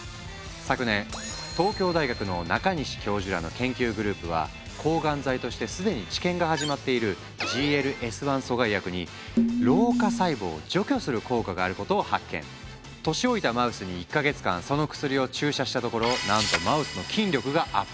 昨年東京大学の中西教授らの研究グループは抗がん剤として既に治験が始まっているＧＬＳ−１阻害薬に年老いたマウスに１か月間その薬を注射したところなんとマウスの筋力がアップ。